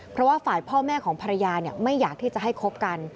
เพราะว่าฝ่ายพ่อแม่ของภรรยาไม่อยากที่จะให้คบกัน